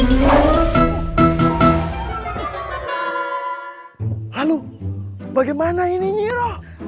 lalu bagaimana ini nyira